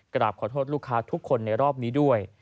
กราบขอโทษลูกค้าทุกคนในรอบนี้ด้วย